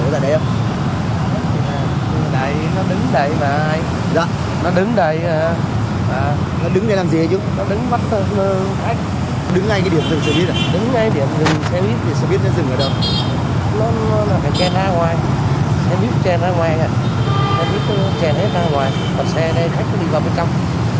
xe ra ngoài còn xe này khách nó đi vào bên trong